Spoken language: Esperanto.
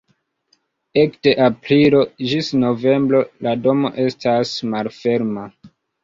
Ekde aprilo ĝis novembro la domo estas malferma.